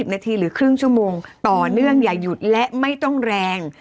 นาทีหรือครึ่งชั่วโมงต่อเนื่องอย่าหยุดและไม่ต้องแรง